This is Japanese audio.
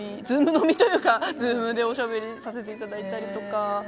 Ｚｏｏｍ飲みというかＺｏｏｍでおしゃべりさせていただいたりとか。